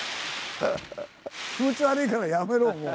気持ち悪いからやめろもう。